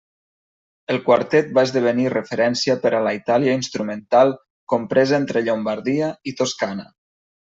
El quartet va esdevenir referència per a la Itàlia instrumental compresa entre Llombardia i Toscana.